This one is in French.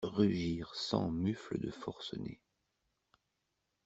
Rugirent cent mufles de forcenés.